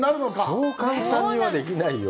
そう簡単にはできないよ。